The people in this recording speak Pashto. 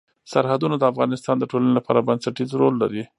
سرحدونه د افغانستان د ټولنې لپاره بنسټيز رول لري.